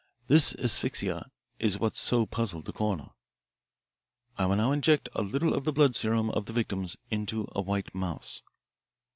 This asphyxia is what so puzzled the coroner. "I will now inject a little of the blood serum of the victims into a white mouse."